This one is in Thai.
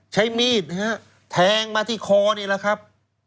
ใช้มีดเลยแทงมาที่ขอนี่ล่ะครับ